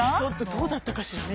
どうだったかしらね